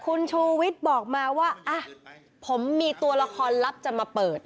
คุณชูวิทย์บอกมาว่าผมมีตัวละครลับจะมาเปิด